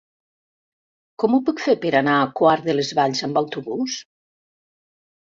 Com ho puc fer per anar a Quart de les Valls amb autobús?